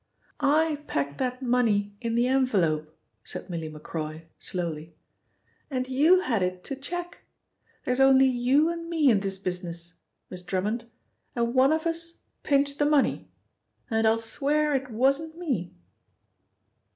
"I packed that money in the envelope," said Milly Macroy slowly, "and you had it to check. There's only you and me in this business. Miss Drummond, and one of us pinched the money, and I'll swear it wasn't me."